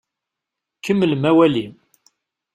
Kemmlem awali!